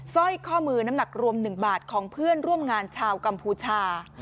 สร้อยข้อมือน้ำหนักรวม๑บาทของเพื่อนร่วมงานชาวกัมพูชา